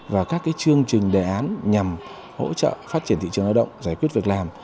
và các chương trình đề án nhằm hỗ trợ phát triển thị trường lao động giải quyết việc làm